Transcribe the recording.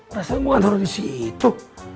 rasanya gue yang taruh disitu